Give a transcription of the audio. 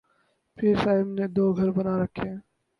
پیر صاحب نے دوگھر بنا رکھے ہیں۔